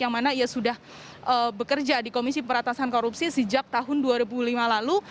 yang mana ia sudah bekerja di komisi pemeratasan korupsi sejak tahun dua ribu lima lalu